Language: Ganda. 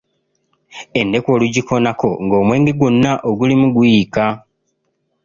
Endeku olugikoonako nga omwenge gwonna ogulimu guyiika.